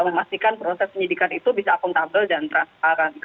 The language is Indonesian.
memastikan proses penyidikan itu bisa akuntabel dan transparan